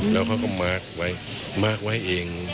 แล้วเขาก็มาร์คไว้มาร์คไว้เอง